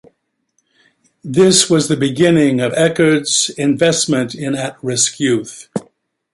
This was the beginning of Eckerd's investment in at-risk youth.